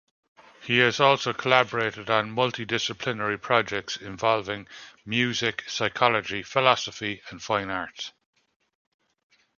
He has also collaborated on multi-disciplinary projects involving music, psychology, philosophy, and fine arts.